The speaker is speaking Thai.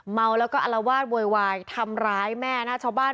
เมาแล้วก็อระวาสบวยทำร้ายแม่หน้าชาวบ้าน